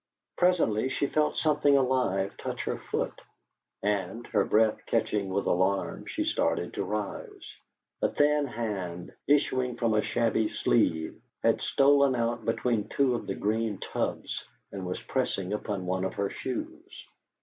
Presently she felt something alive touch her foot, and, her breath catching with alarm, she started to rise. A thin hand, issuing from a shabby sleeve, had stolen out between two of the green tubs and was pressing upon one of her shoes.